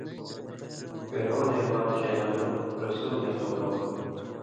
فِرعونے بال ڇېلیان٘لَیں (رسُول) نی قبلاؤ،